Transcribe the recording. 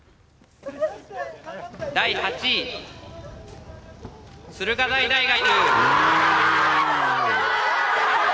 第８位、駿河台大学。